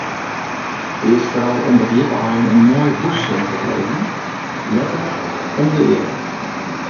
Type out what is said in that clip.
Earst foaral omdat ljipaaien in moaie bûssint opleveren, letter om de eare.